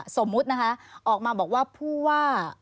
สมมุตินะคะออกมาบอกว่าผู้ว่า